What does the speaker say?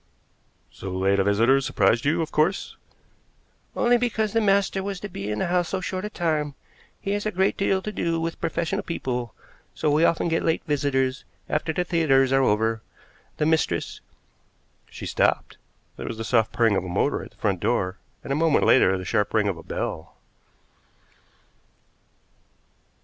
"So late a visitor surprised you, of course?" "Only because the master was to be in the house so short a time. He has a great deal to do with professional people, so we often get late visitors after the theaters are over. The mistress " She stopped. There was the soft purring of a motor at the front door, and a moment later the sharp ring of a bell.